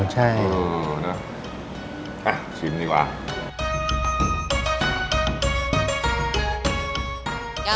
ใช่อือน่ะอ่ะชิมดีกว่า